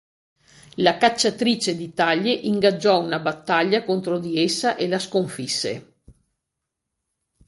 La cacciatrice di taglie ingaggiò una battaglia contro di essa e la sconfisse.